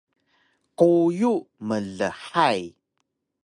quyu mlhay